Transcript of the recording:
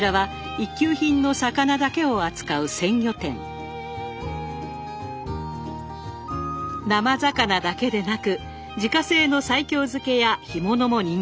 生魚だけでなく自家製の西京漬けや干物も人気です。